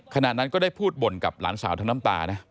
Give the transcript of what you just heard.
ขณะนั้นก็ได้พูดบ่นกับหลานสาวทั้งน้ำตานะ